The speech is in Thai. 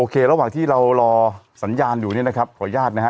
ระหว่างที่เรารอสัญญาณอยู่เนี่ยนะครับขออนุญาตนะฮะ